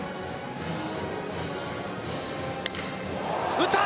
打った！